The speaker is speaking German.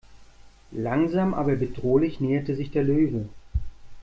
Langsam aber bedrohlich näherte sich der Löwe.